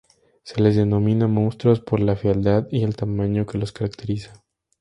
Se les denomina "Monstruos" por la fealdad y el tamaño que los caracteriza.